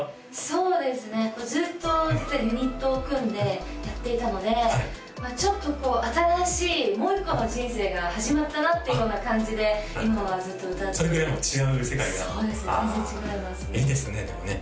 そうですねずっと実はユニットを組んでやっていたのでちょっと新しいもう一個の人生が始まったなっていうような感じで今はずっと歌ってそれぐらい違う世界がそうですね全然違いますねいいですねでもね